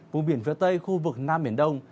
vùng biển phía tây khu vực nam biển đông